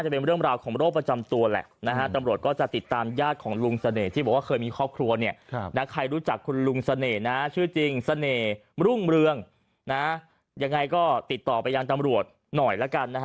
เพราะว่าเคยมีครอบครัวเนี่ยแล้วใครรู้จักคุณลุงเสน่ห์นะชื่อจริงเสน่ห์รุ่งเรืองนะยังไงก็ติดต่อไปยังจำรวจหน่อยแล้วกันนะฮะ